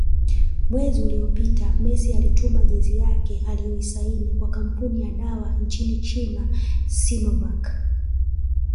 Mwezi uliopita Messi alituma jezi yake alioisaini kwa kampuni ya dawa nchini China Sinovac